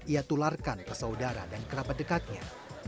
ia tularkan pesaudara dan kerabat dekatnya